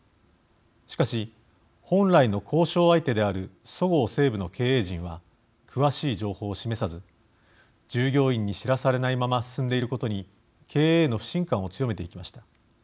しかし、本来の交渉相手であるそごう・西武の経営陣は詳しい情報を示さず従業員に知らされないまま進んでいることに経営への不信感を強めていきました。